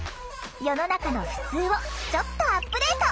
世の中のふつうをちょっとアップデート。